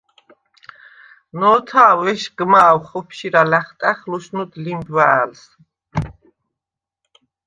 ნო̄თა̄უ̂ უ̂ეშგმა̄უ̂ ხოფშირა ლა̈ხტა̈ხ, ლუშნუდ ლიმბუ̂ა̄̈ლს!